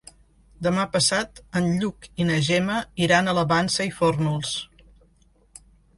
Demà passat en Lluc i na Gemma iran a la Vansa i Fórnols.